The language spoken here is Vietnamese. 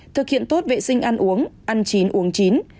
thực hiện tốt vệ sinh ăn uống ăn chín uống chín